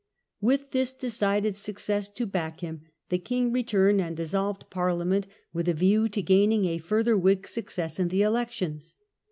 With this decided success to back him the king returned and dissolved Parliament, with a view to gaining a further Whig success in the elections.